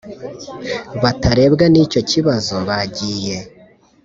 batarebwa n icyo kibazo bagiye